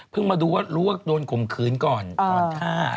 พึ่งมาดูว่ารู้ว่าโดนกลมคืนก่อนตอนท่า